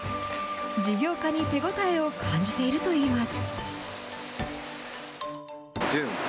事業化に手応えを感じているといいます。